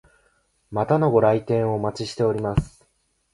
またのご来店をお待ちしております。